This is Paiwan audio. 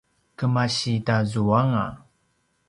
kemasi tazuanga